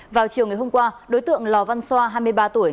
vào chiều ngày hôm qua đối tượng lò văn xoa hai mươi ba tuổi